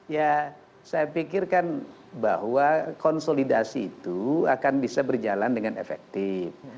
ya saya pikirkan bahwa konsolidasi itu akan bisa berjalan dengan efektif